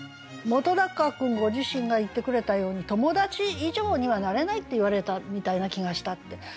本君ご自身が言ってくれたように友達以上にはなれないって言われたみたいな気がしたって。